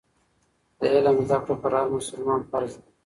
د علم زده کړه په هر مسلمان فرض ده.